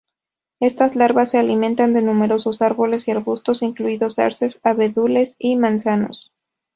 Estas larvas se alimentan de numerosos árboles y arbustos, incluidos arces, abedules y manzanos.